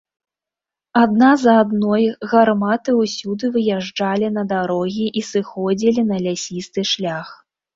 Адна за адной гарматы ўсюды выязджалі на дарогі і сыходзілі на лясісты шлях.